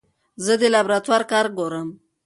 زه د لابراتوار کار ګورم.